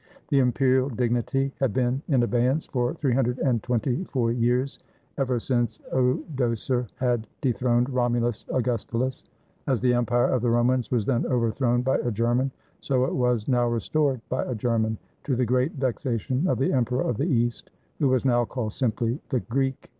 The imperial dignity had been in abeyance for three hundred and twenty four years, ever since Odoacer had dethroned Romulus Augustulus. As the Empire of the Romans was then overthrown by a German, so it was now restored by a German, to the great vexation of the Emperor of the East, who was now called simply the Greek Emperor.